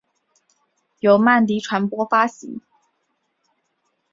由曼迪传播发行。